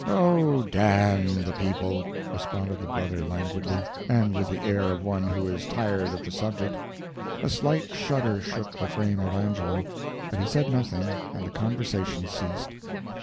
"Oh, damn the people," responded the brother languidly, and with the air of one who is tired of the subject. A slight shudder shook the frame of Angelo, but he said nothing and the conversation ceased.